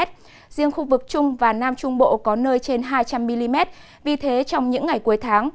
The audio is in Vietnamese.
trong khu vực trung và nam trung bộ có nơi trên hai trăm linh mm vì thế trong những ngày cuối tháng